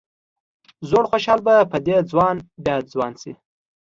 زوړ خوشال به په دې ځوان بیا ځوان شي.